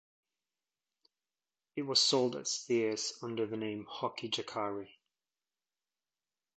It was sold at Sears under the name Hockey Jockari.